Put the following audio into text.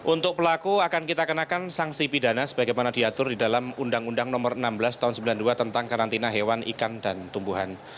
untuk pelaku akan kita kenakan sanksi pidana sebagaimana diatur di dalam undang undang nomor enam belas tahun sembilan puluh dua tentang karantina hewan ikan dan tumbuhan